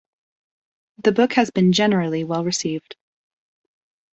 The book has been generally well received.